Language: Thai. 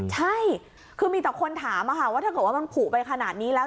ใช่คือมีแต่คนถามว่าถ้าเกิดว่ามันผูกไปขนาดนี้แล้ว